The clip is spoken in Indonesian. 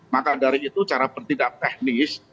maka dari itu cara bertindak teknis